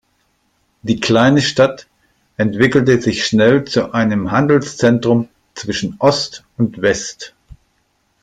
Die kleine Stadt entwickelte sich schnell zu einem Handelszentrum zwischen Ost und West.